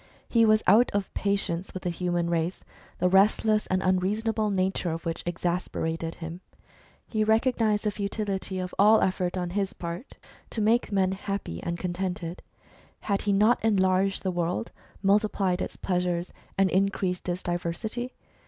He was out of patience with the human race, the restless and unreasonable nature of which exasperated him. He recognised the futility of all effort on his part to make men happy and contented. Had he not enlarged the world, multiplied its pleasures, and increased its diversity